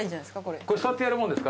これ座ってやるもんですか？